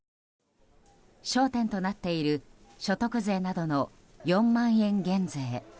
焦点となっている所得税などの４万円減税。